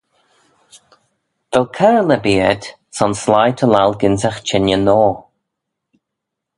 Vel coyrle erbee ayd son sleih ta laccal gynsagh çhengey noa?